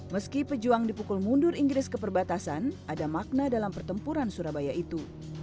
meski pejuang dipukul mundur inggris ke perbatasan ada makna dalam pertempuran surabaya itu